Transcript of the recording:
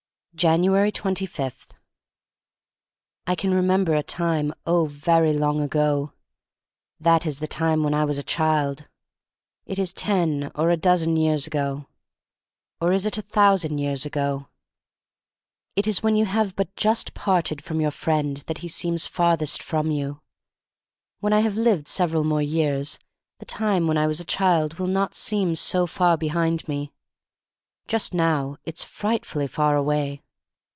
5anuats 25. I CAN remember a time long, oh, very long ago. That is the time when I was a child. It is ten or a dozen years ago. Or is it a' thousand years ago? It is when you have but just parted from your friend that he seems farthest from you. When I have lived several more years the time when I was a child will not seem so far behind me. Just now it is frightfully far away.